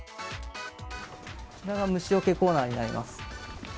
こちらが虫よけコーナーになります。